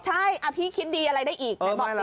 ใช่มันให้พี่คิดดีอะไรได้อีก